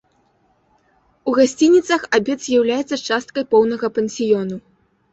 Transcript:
У гасцініцах абед з'яўляецца часткай поўнага пансіёну.